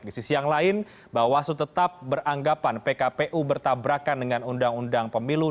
di sisi yang lain bawaslu tetap beranggapan pkpu bertabrakan dengan undang undang pemilu